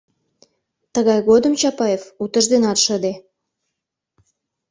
Тыгай годым Чапаев утыжденат шыде.